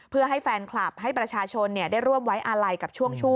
เพื่อให้แฟนคลับให้ประชาชนได้ร่วมไว้อาลัยกับช่วงชั่ว